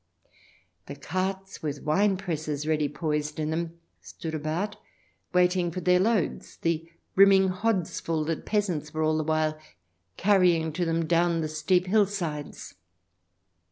The carts with winepresses ready poised in them stood about, waiting for their loads — the brimming hodsful that peasants were all the while carrying to them down the steep hill sides.